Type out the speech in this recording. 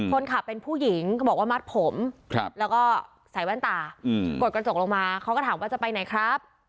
คนขับเป็นผู้หญิงเขาบอกว่ามัดผมแล้วก็ใส่แว่นตากดกระจกลงมาเขาก็ถามว่าจะไปไหนครับ